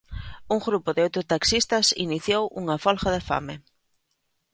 Un grupo de oito taxistas iniciou unha folga de fame.